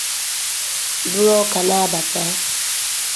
I buru ọka na-abata